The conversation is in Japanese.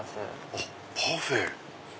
あっパフェ。